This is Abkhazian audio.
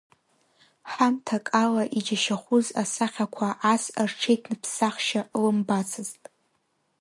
Ҳамҭакала иџьашьахәыз асахьақәа ас рҽеиҭныԥсахшьа лымбацызт.